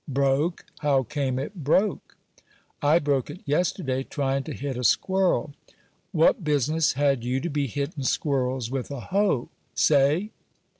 "Broke! How came it broke?" "I broke it yesterday, trying to hit a squirrel." "What business had you to be hittin' squirrels with a hoe? say!"